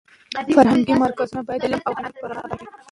فرهنګي مرکزونه باید د علم او هنر په رڼا اباد وي.